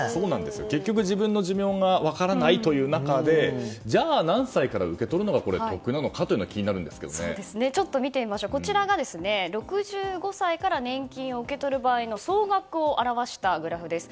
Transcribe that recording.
結局、自分の寿命が分からないという中でじゃあ、何歳から受け取るのが得なのかがこちらが６５歳から年金を受け取る場合の総額を表したグラフです。